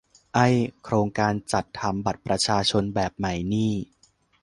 ไอ้ "โครงการจัดทำบัตรประชาชนแบบใหม่" นี่